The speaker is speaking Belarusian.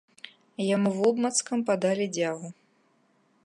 Яму вобмацкам падалі дзягу.